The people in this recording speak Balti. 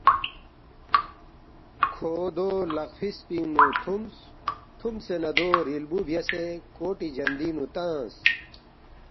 کھو دو لقفِس پِنگ نُو تُھومس، تُھومسے نہ دو ریلبُو بیاسے کوٹی جندِنگ نُو تنگس